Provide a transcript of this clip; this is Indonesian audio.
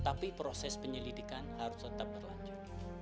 tapi proses penyelidikan harus tetap berlanjut